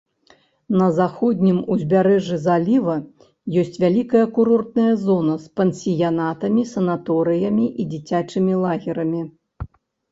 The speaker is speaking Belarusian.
На заходнім узбярэжжы заліва ёсць вялікая курортная зона з пансіянатамі, санаторыямі і дзіцячымі лагерамі.